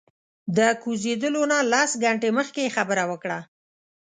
د کوزیدلو نه لس ګنټې مخکې یې خبره وکړه.